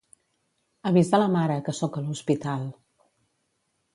Avisa la mare, que soc a l'hospital.